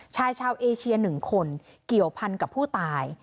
ชายชาวเอเชีย๑คนเกี่ยวพันกับผู้ตาย